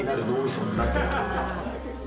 それでになってると思います